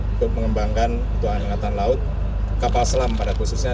ikut mengembangkan kebutuhan angkatan laut kapal selam pada posisinya